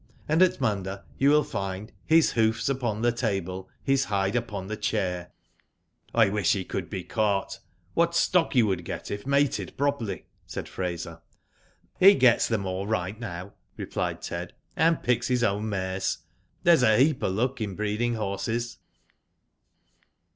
And at Munda you will find ' His hoofs upon the table, his hide upon the chair.' " Digitized byGoogk AFTER THE VICTORY, 275 '* I wish he could be caught. What stock he would get, if mated properly/^ said Fraser. *' He gets them all right now/' replied Ted, and picks his own mares. There's a heap of luck in breeding horses.